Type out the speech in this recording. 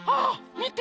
みて！